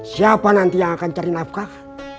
siapa nanti yang akan cari nafkah